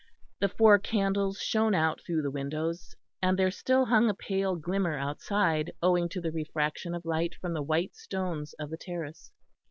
The four candles shone out through the windows, and there still hung a pale glimmer outside owing to the refraction of light from the white stones of the terrace.